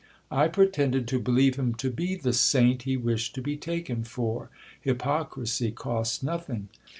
I pretended to believe him to be the saint he wished to be taken for, hypocrisy costs nothing.